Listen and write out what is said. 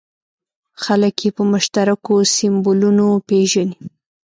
خلک یې په مشترکو سیمبولونو پېژني.